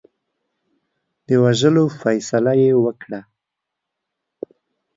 د وژلو فیصله یې وکړه.